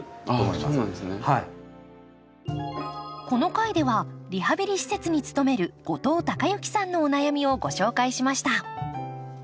この回ではリハビリ施設に勤める後藤貴之さんのお悩みをご紹介しました